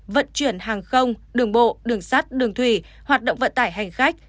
vận chuyển hàng không đường bộ đường sắt đường thủy hoạt động vận tải hành khách